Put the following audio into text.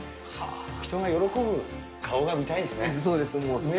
人が喜ぶ顔が見たいんですね。